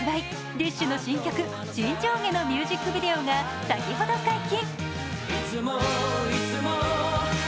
ＤＩＳＨ／／の新曲「沈丁花」のミュージックビデオが先ほど解禁。